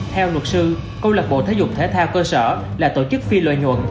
theo luật sư câu lạc bộ thể dục thể thao cơ sở là tổ chức phi lợi nhuận